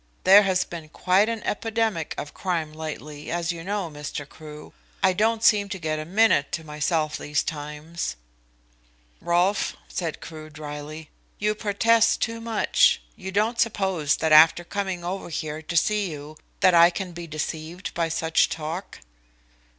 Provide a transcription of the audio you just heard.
There has been quite an epidemic of crime lately, as you know, Mr. Crewe. I don't seem to get a minute to myself these times." "Rolfe," said Crewe drily, "you protest too much. You don't suppose that after coming over here to see you that I can be deceived by such talk?"